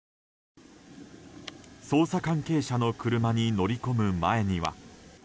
捜査関係者の車に乗り込む前には。